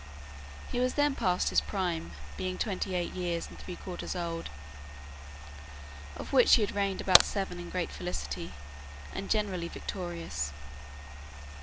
He was then past his prime, being twenty eight years and three quarters old, of which he had reigned about seven in great felicity, and generally victorious.